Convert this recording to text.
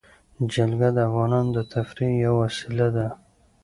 جلګه د افغانانو د تفریح یوه وسیله ده.